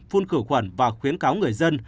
phun cửu quẩn và khuyến cáo người dân